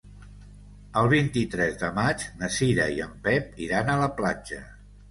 El vint-i-tres de maig na Cira i en Pep iran a la platja.